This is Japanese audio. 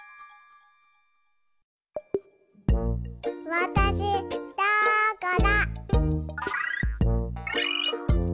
わたしどこだ？